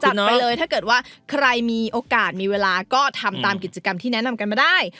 ไปเลยถ้าเกิดว่าใครมีโอกาสมีเวลาก็ทำตามกิจกรรมที่แนะนำกันมาได้